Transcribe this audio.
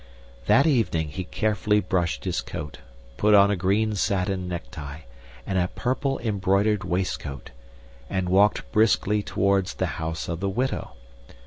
That evening he carefully brushed his coat, put on a green satin necktie and a purple embroidered waist coat, and walked briskly towards the house of the widow.